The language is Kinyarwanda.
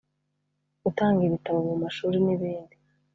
gutanga ibitabo mu mashuri n’ibindi